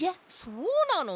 そうなの？